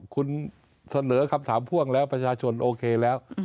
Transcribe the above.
คุณเสนอคำถามพ่วงแล้วประชาชนโอเคแล้ว